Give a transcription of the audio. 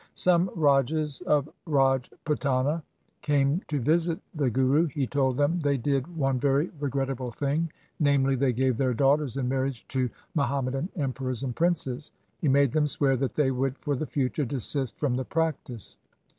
Some rajas of Rajputana came to visit the Guru. He told them they did one very regret table thing, namely, they gave their daughters in marriage to Muhammadan emperors and princes. He made them swear that they would for the future desist from the practice.